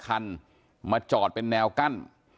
คันมาจอดเป็นแนวกั้น